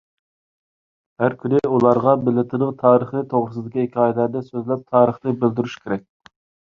ھەر كۈنى ئۇلارغا مىللىتىنىڭ تارىخى توغرىسىدىكى ھېكايىلەرنى سۆزلەپ، تارىخنى بىلدۈرۈشى كېرەك.